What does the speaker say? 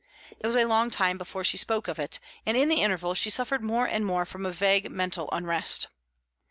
It was a long time before she spoke of it, and in the interval she suffered more and more from a vague mental unrest.